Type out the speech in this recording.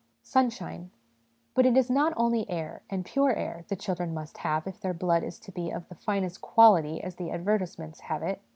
Sunshine. But it is not only air, and pure air, the children must have if their blood is to be of the ' finest quality,' as the advertisements have it.